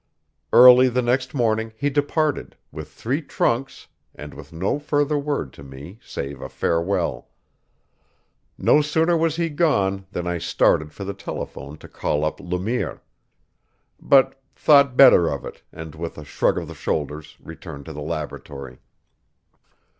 Early the next morning he departed, with three trunks, and with no further word to me save a farewell. No sooner was he gone than I started for the telephone to call up Le Mire; but thought better of it and with a shrug of the shoulders returned to the laboratory.